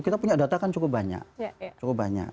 kita punya data kan cukup banyak